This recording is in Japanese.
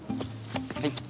はい？